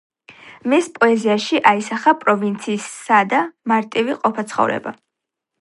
მის პოეზიაში აისახა პროვინციის სადა, მარტივი ყოფა-ცხოვრება.